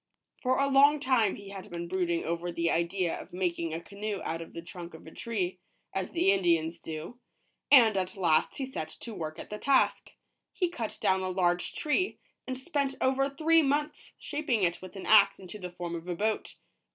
For a long time he had been brooding over the idea of making a canoe out of the trunk of a tree, as the Indians do ; and at last he set to work at the task. He cut down a large tree, and spent over three months shaping it with an axe into the form of a boat.